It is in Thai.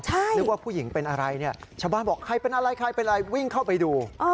ใช่นึกว่าผู้หญิงเป็นอะไรเนี่ยชาวบ้านบอกใครเป็นอะไรวิ่งเข้าไปดู